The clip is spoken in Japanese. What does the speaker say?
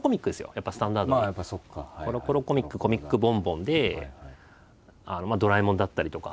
やっぱスタンダードな「コロコロコミック」「コミックボンボン」で「ドラえもん」だったりとか。